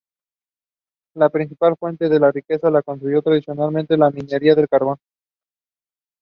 La principal fuente de riqueza la constituyó tradicionalmente la minería de carbón.